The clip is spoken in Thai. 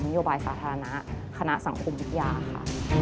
โยบายสาธารณะคณะสังคมวิทยาค่ะ